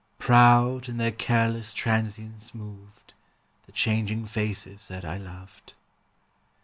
Proud in their careless transience moved The changing faces that I loved.